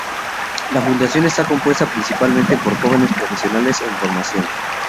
La Fundación está compuesta principalmente por jóvenes profesionales o en formación.